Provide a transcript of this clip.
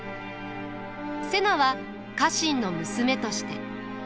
瀬名は家臣の娘として。